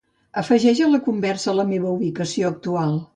Afegeix a la conversa la meva ubicació actual.